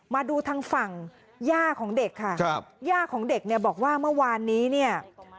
มาดูทางฝั่งย่าของเด็กค่ะครับย่าของเด็กเนี่ยบอกว่าเมื่อวานนี้เนี่ย